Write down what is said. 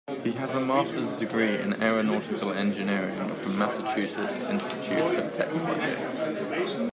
He has a master's degree in aeronautical engineering from Massachusetts Institute of Technology.